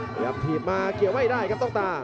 พยายามถีบมาเกี่ยวไม่ได้ครับต้องตา